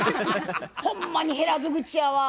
ほんまに減らず口やわ。